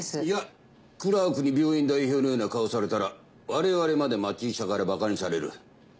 いやクラークに病院代表のような顔をされたら我々まで町医者からバカにされる。